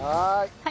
はい。